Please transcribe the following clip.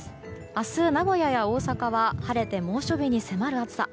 明日、名古屋や大阪は晴れて猛暑日に迫る暑さ。